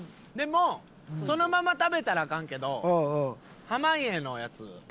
でもそのまま食べたらアカンけど濱家のやつ。